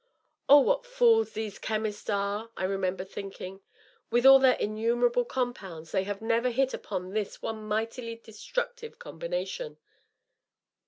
' Oh, what fools these chemists are !' I remember thinking. ^ With all their innumerable compounds, they have never hit upon this one mightily destructive combination